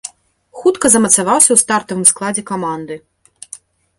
Хутка замацаваўся ў стартавым складзе каманды.